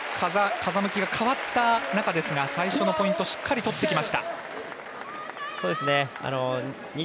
風向きが変わった中ですが最初のポイントしっかり取ってきました、日本。